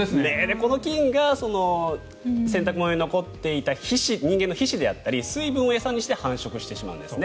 この菌が洗濯物に残っていた人間の皮脂であったり水分を餌にして繁殖してしまうんですね。